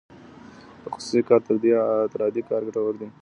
تخصصي کار تر عادي کار ګټور دی.